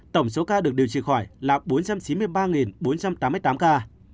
tổng số ca được điều trị khỏi là bốn trăm chín mươi ba bốn trăm tám mươi tám ca